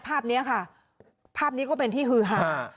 ภาพนี้ค่ะภาพนี้ก็เป็นที่ฮือหา